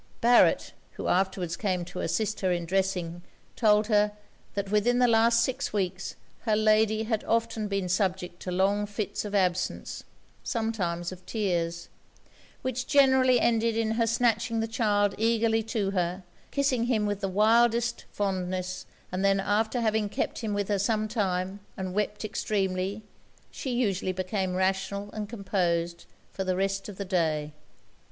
Barret, who afterwards came to assist her in dressing, told her, that within the last six weeks her lady had often been subject to long fits of absence, sometimes of tears; which generally ended in her snatching the child eagerly to her, kissing him with the wildest fondness, and that after having kept him with her some time, and wept extremely, she usually became rational and composed for the rest of the day.